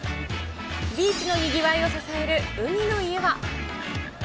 ビーチのにぎわいを支える海の家は。